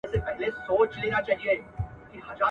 د لومړي ځل لپاره خپل شعر ولووست ..